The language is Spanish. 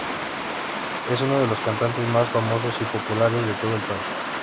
Es uno de los cantantes más famosos y populares de todo el país.